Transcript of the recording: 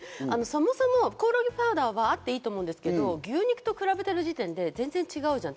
そもそもコオロギパウダーは、あっていいと思うんですけど、牛肉と比べてる時点で全然違うじゃん。